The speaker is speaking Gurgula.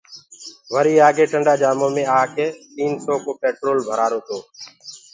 وريٚ آگي ٽنٚڊآ جآمونٚ مي آڪي تيٚن سو ڪو پينٽول ڀرآرو تو